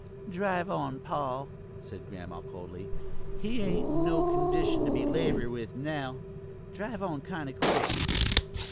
"Drive on, pa," said Grandma, coldly. "He ain't in no condition to be labored with now. Drive on kind o' quick!"